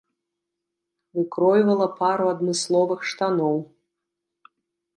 Выкройвала пару адмысловых штаноў.